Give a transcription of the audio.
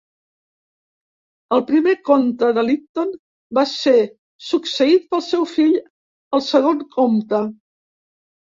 El primer comte de Lytton va ser succeït pel seu fill, el segon comte.